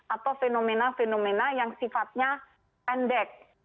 atau fenomena fenomena yang sifatnya pendek